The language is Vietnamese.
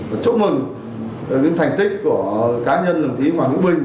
và chúc mừng những thành tích của cá nhân đồng chí hoàng hữu minh